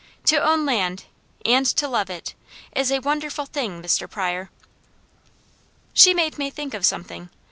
To own land, and to love it, is a wonderful thing, Mr. Pryor." She made me think of something.